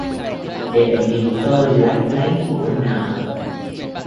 Để mình tôi lãnh lấy của nợ